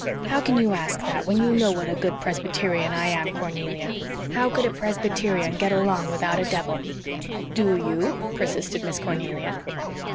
"How can you ask that when you know what a good Presbyterian I am, Cornelia? How could a Presbyterian get along without a devil?" "DO you?" persisted Miss Cornelia.